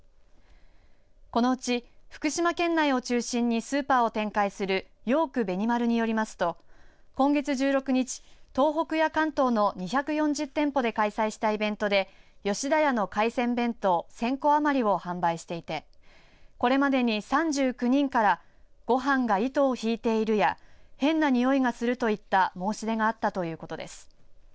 このうち福島県内を中心にスーパーを展開するヨークベニマルによりますと今月１６日、東北や関東の２４０店舗で開催したイベントで吉田屋の海鮮弁当１０００個余りを販売していてこれまでに３９人からごはんが糸を引いているや変な臭いがするといった申し出があったということです。